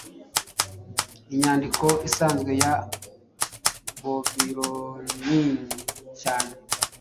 Inyandiko isanzwe ya Babiloninini cyane